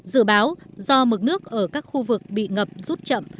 dự báo do mực nước ở các khu vực bị ngập rút chậm